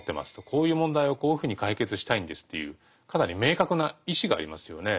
「こういう問題をこういうふうに解決したいんです」というかなり明確な意志がありますよね。